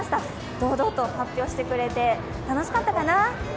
堂々と発表してくれて、楽しかったかな。